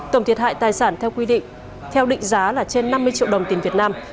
tổng thiệt hại tài sản theo quy định theo định giá là trên năm mươi triệu đồng tiền việt nam